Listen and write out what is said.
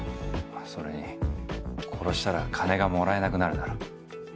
それに殺したら金がもらえなくなるだろ。